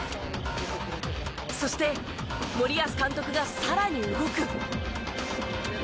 そして、森保監督が更に動く。